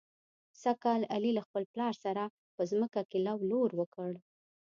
سږ کال علي له خپل پلار سره په ځمکه کې لو لور وکړ.